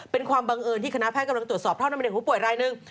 เป็นความบังเอิญที่คณะแพทย์กำลังตรวจสอบเท่านั้นเองผู้ป่วยรายหนึ่ง